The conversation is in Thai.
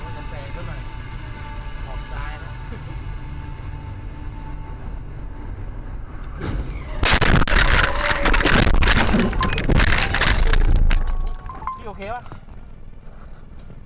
โปรดติดตามตอนต่อไป